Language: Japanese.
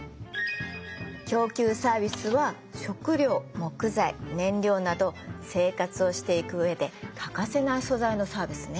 供給サービスは食料木材燃料など生活をしていく上で欠かせない素材のサービスね。